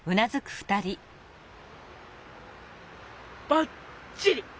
ばっちり！